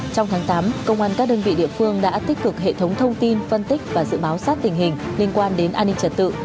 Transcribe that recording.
trong tháng tám công an các đơn vị địa phương đã tích cực hệ thống thông tin phân tích và dự báo sát tình hình liên quan đến an ninh trật tự